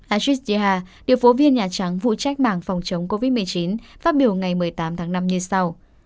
ashish jha điều phố viên nhà trắng vụ trách bảng phòng chống covid một mươi chín phát biểu ngày một mươi tám tháng năm như sau